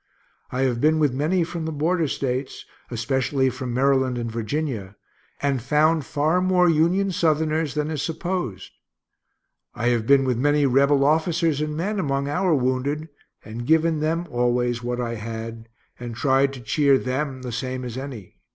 I have been with many from the border States, especially from Maryland and Virginia, and found far more Union Southerners than is supposed. I have been with many Rebel officers and men among our wounded, and given them always what I had, and tried to cheer them the same as any.